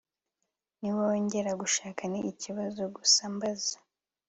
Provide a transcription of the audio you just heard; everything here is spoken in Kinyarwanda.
nibongera gushaka? ni ikibazo gusa mbaza